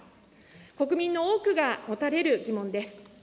国民の多くが持たれる疑問です。